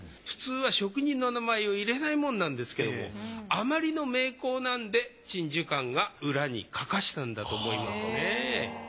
普通は職人の名前を入れないもんなんですけどもあまりの名工なんで沈壽官が裏に書かせたんだと思いますね。